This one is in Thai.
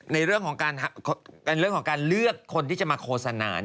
ในเรื่องของการเลือกคนที่จะมาโฆษณา